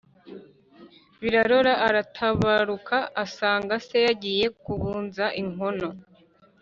Biraro aratabaruka, asanga se yagiye kubunza inkono